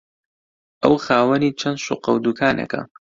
ئەو خاوەنی چەند شوقە و دوکانێکە